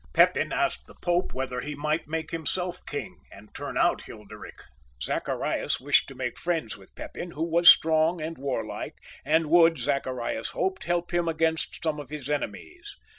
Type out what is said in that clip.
Pepin asked the Pope whether he might make himself king and turn out Hilderik. Zacharias wished to make friends with Pepin, who was, strong and warlike, and would, Zacharias hoped, help him against some of his enemies.